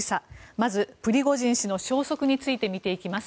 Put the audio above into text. まずプリゴジン氏の消息について見ていきます。